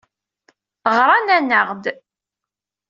Ɣran-aneɣ-d.